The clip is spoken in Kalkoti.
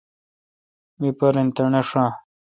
می پارن تݨے ° ݭہ